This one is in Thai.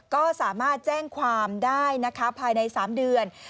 ก็สามารถแจ้งความได้นะคะภายใน๓เดือน